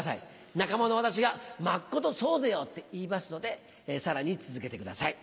仲間の私が「まっことそうぜよ」って言いますのでさらに続けてください。